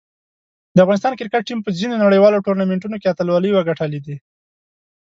د افغانستان کرکټ ټیم په ځینو نړیوالو ټورنمنټونو کې اتلولۍ وګټلې دي.